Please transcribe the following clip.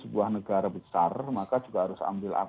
sebuah negara besar maka juga harus ambil